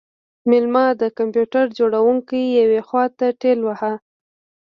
میلمه د کمپیوټر جوړونکی یوې خواته ټیل واهه